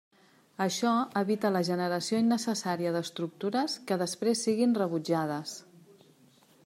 Això evita la generació innecessària d'estructures que després siguin rebutjades.